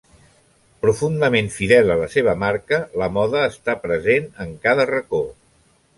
Profundament fidel a la seva marca, la moda està present en cada racó.